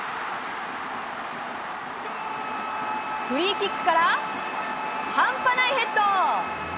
フリーキックから、半端ないヘッド。